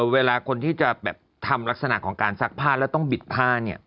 เวลาคนที่จะแบบทำลักษณะของการซักผ้าแล้วต้องบิดผ้าเนี่ย